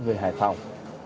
về hải phòng